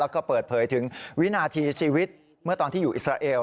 แล้วก็เปิดเผยถึงวินาทีชีวิตเมื่อตอนที่อยู่อิสราเอล